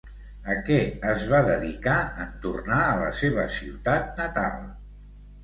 A què es va dedicar en tornar a la seva ciutat natal?